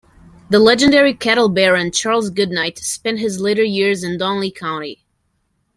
The legendary cattle baron Charles Goodnight spent his later years in Donley County.